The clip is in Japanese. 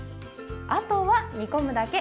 あとは煮込むだけ。